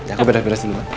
ya udah oke